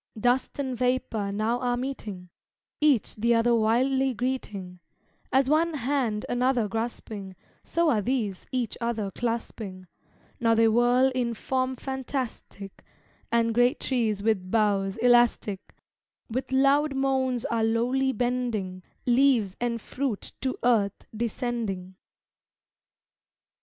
Dust and vapor now are meeting, Each the other wildly greeting; As one hand another grasping, So are these each other clasping; Now they whirl in form fantastic And great trees with boughs elastic With loud moans are lowly bending, Leaves and fruit to earth descending.